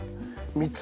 ３つ？